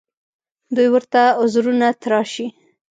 دوی ورته عذرونه تراشي